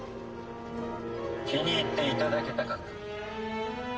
気に入っていただけたかな？